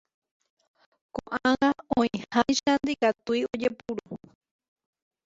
Koʼág̃a oĩháicha ndikatúi ojepuru.